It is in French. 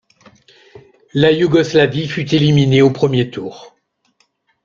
La Yougoslavie fut éliminée au premier tour.